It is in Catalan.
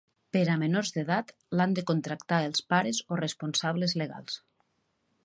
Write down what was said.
Per a menors d'edat, l'han de contractar els pares o responsables legals.